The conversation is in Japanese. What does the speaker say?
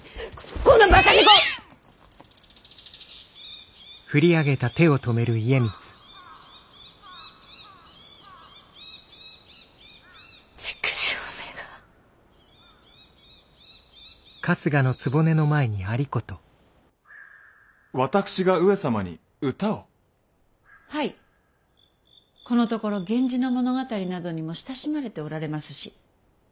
このところ源氏の物語などにも親しまれておられますし。